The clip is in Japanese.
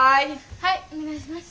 はいお願いします。